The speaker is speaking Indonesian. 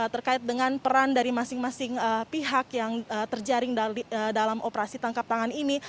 terkait dengan peran dari masing masing pihak yang terjaring dalam operasi tangkap tangan ini